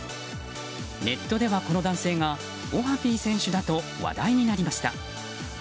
ネットではこの男性が、オハピー選手だと話題になりました。